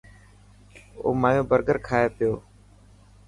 او مايو برگر کائي پيو.